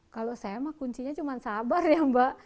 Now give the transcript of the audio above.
kalau saya mah kuncinya cuma sabar ya mbak